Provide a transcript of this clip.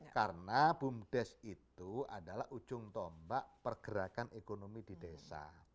karena boomdes itu adalah ujung tombak pergerakan ekonomi di desa